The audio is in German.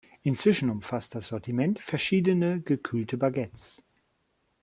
Inzwischen umfasst das Sortiment verschiedene gekühlte Baguettes.